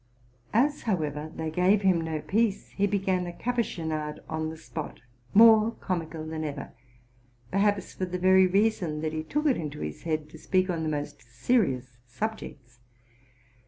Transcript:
As, how ever, they gave him no peace, he began a Capuchinade on the spot, more comical than ever, perhaps, for the very rea son that he took it into his head to speak on the most serious subjects.